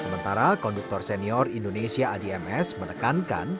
sementara konduktor senior indonesia adms menekankan